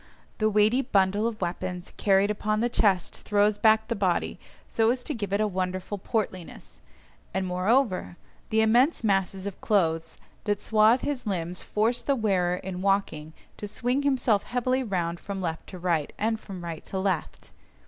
The weighty bundle of weapons carried upon the chest throws back the body so as to give it a wonderful portliness, and moreover, the immense masses of clothes that swathe his limbs force the wearer in walking to swing himself heavily round from left to right, and from right to left.